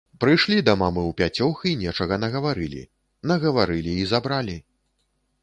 Прыйшлі да мамы ўпяцёх і нечага нагаварылі, нагаварылі і забралі.